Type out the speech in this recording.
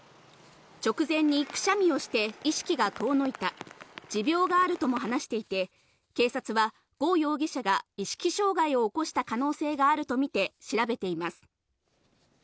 直前にくしゃみをして、意識が遠のいた、持病があるとも話していて、警察は呉容疑者が意識障害を起こした可能性があるとみて調べています。